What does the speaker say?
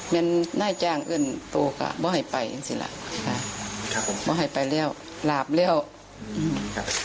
มันน่าจ้างอื่นตัวก็บอกให้ไปสิแหละครับบอกให้ไปแล้วหลาบแล้วอืม